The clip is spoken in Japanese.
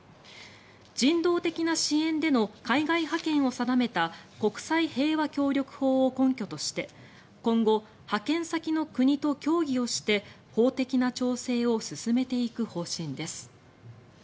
人道的な支援での海外派遣を定めた国際平和協力法を根拠として今後、派遣先の国と協議をして法的な調整を進めていく方針です。